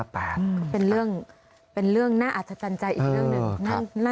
เป็นเรื่องน่าอัศจรรย์ใจอีกเรื่องหนึ่ง